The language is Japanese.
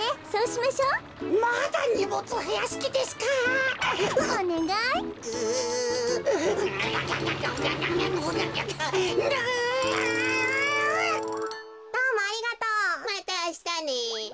またあしたね。